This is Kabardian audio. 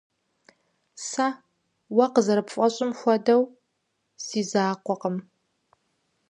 Сэ, уэ къызэрыпфӀэщӀым хуэдэу, си закъуэкъым.